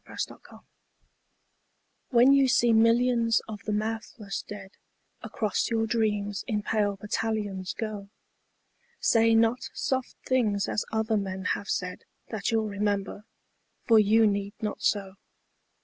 XCI The Army of Death WHEN you see millions of the mouthless dead Across your dreams in pale battalions go, Say not soft things as other men have said, That you'll remember. For you need not so.